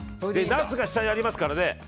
ナスが下にありますからね。